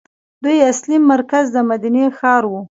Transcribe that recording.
دوی اصلي مرکز د مدینې ښار وو.